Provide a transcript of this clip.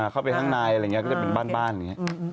เข้าไปข้างในอะไรอย่างนี้ก็จะเป็นบ้านอย่างนี้